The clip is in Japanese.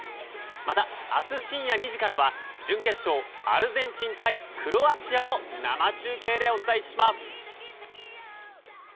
また、明日深夜２時からは準決勝アルゼンチン対クロアチアを生中継でお伝えします。